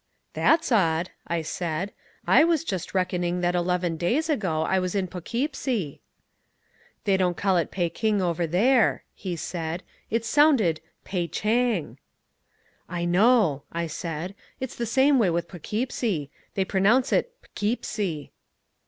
"That's odd," I said, "I was just reckoning that eleven days ago I was in Poughkeepsie." "They don't call it Pekin over there," he said. "It's sounded Pei Chang." "I know," I said, "it's the same way with Poughkeepsie, they pronounce it P'Keepsie."